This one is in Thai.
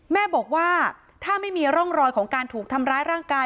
แม่บอกว่าถ้าไม่มีร่องรอยของการถูกทำร้ายร่างกาย